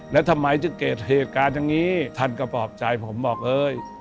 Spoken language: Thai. แล้วทำไมจะเกิดเหตุการณ์อย่างนี้ท่านก็ปลอบใจผมบอกเอ้ย